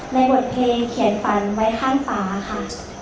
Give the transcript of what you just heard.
บทเพลงเขียนฝันไว้ข้างฝาค่ะ